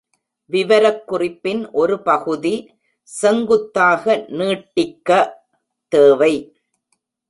விவரக்குறிப்பின் ஒரு பகுதி "செங்குத்தாக நீட்டிக்க" தேவை.